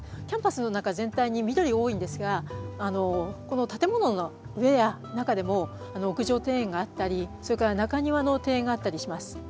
キャンパスの中全体に緑が多いんですがこの建物の上や中でも屋上庭園があったりそれから中庭の庭園があったりします。